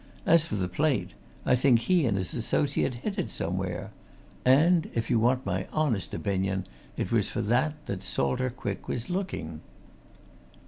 As for the plate, I think he and his associate hid it somewhere and, if you want my honest opinion, it was for it that Salter Quick was looking."